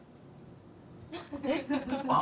えっ？